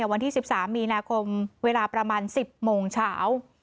วันที่๑๓มีนาคมเวลาประมาณ๑๐โมงเช้า